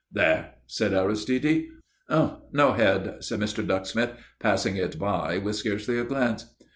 "There!" said Aristide. "Umph! No head," said Mr. Ducksmith, passing it by with scarcely a glance.